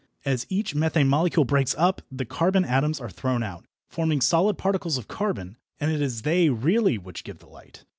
As each methane molecule breaks up the carbon atoms are thrown out, forming solid particles of carbon, and it is they really which give the light.